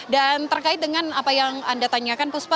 dan terkait dengan apa yang anda tanyakan puspa